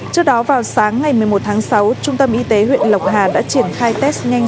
trước đó vào sáng ngày một mươi một tháng sáu trung tâm y tế huyện lộc hà đã triển khai test nhanh